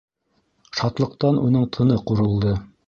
Шатлыҡтан уның тыны ҡурылды.